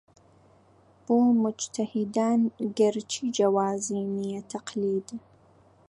بۆ موجتەهیدان گەرچی جەوازی نییە تەقلید